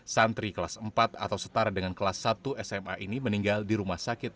santri kelas empat atau setara dengan kelas satu sma ini meninggal di rumah sakit